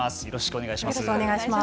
よろしくお願いします。